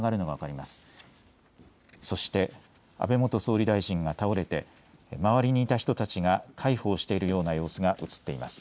そして安倍元総理大臣が倒れて周りにいた人たちが介抱しているような様子がうつっています。